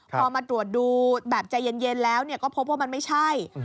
พอมาตรวจดูแบบใจเย็นแล้วก็พบว่ามันไม่ใช่